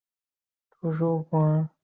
后升任陆军第四镇统制。